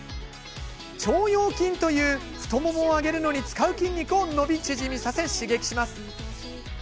腸腰筋という太ももを上げるのに使う筋肉を伸び縮みさせ、刺激します。